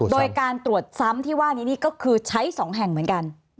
โดยการตรวจซ้ำที่ว่านี้นี่ก็คือใช้๒แห่งเหมือนกัน